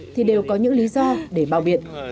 thì đều có những lý do để bao biện